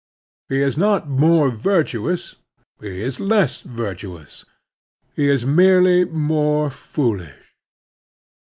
He is not more virtuous; he is less virtuous. He is merely more foolish.